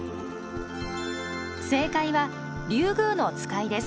正解はリュウグウノツカイです。